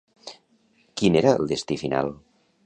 Quin era el destí final?